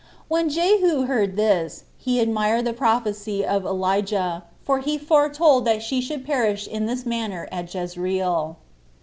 When Jehu heard this, he admired the prophecy of Elijah, for he foretold that she should perish in this manner at Jezreel.